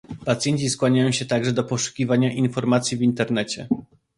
Pacjenci skłaniają się także do poszukiwania informacji w internecie